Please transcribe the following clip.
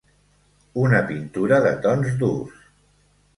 Una pintura de tons durs.